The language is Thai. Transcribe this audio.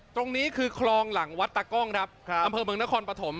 ตรงนี้คือคลองหลังวัดตากล้องครับอำเภอเมืองนครปฐม